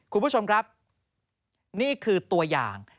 คุณผู้ชมครับนี่คือตัวอย่าง